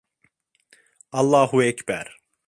Allahuekber!